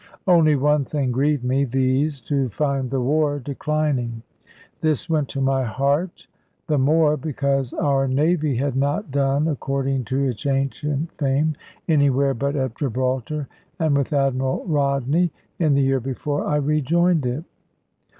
Only one thing grieved me, viz., to find the war declining. This went to my heart the more, because our Navy had not done according to its ancient fame, anywhere but at Gibraltar and with Admiral Rodney, in the year before I rejoined it.